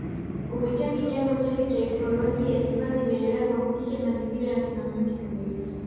Kupitia kitengo chake cha ikolojia hifadhi imeendelea kuhakikisha mazingira yanasimamiwa kikamilifu